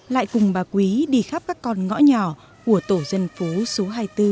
lại cùng bà quý đi khắp các con ngõ nhỏ của tổ dân phố số hai mươi bốn